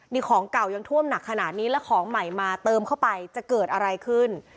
นี่ของเก่ายังท่วมหนักขนาดนี้แล้วของใหม่มาเติมเข้าไปจะเกิดอะไรขึ้น